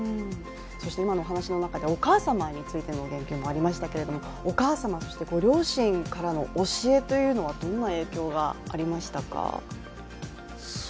そして今のお話の中でお母様についての言及もありましたがお母様、そしてご両親からの教えというのはどんな影響がありましたか？